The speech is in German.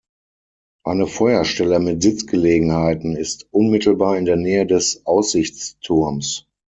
Eine Feuerstelle mit Sitzgelegenheiten ist unmittelbar in der Nähe des Aussichtsturms.